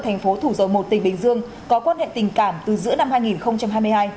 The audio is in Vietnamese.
thành phố thủ dầu một tỉnh bình dương có quan hệ tình cảm từ giữa năm hai nghìn hai mươi hai